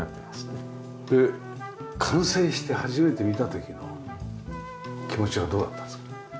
で完成して初めて見た時の気持ちはどうだったんですか？